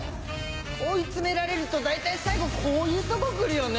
追い詰められると大体最後こういうとこ来るよね。